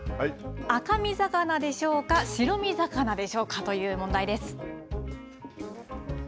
赤身魚でしょうか、白身魚でしょうかという問題です。